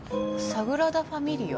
サグラダファミリ家？